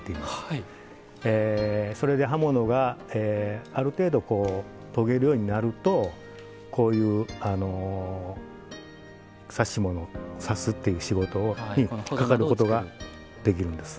それで刃物がある程度研げるようになるとこういう指物を指すっていう仕事にかかることができるんです。